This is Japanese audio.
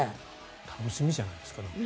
楽しみじゃないですか。